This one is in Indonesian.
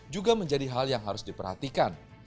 juga menjadi hal yang harus diperhatikan